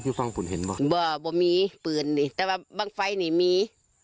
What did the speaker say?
ยูต้องปุ่นเห็นบ่าไม่มีปืนนี่แต่ว่าบ้างไฟนี่มี